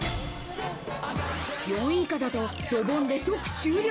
４位以下だとドボンで即終了。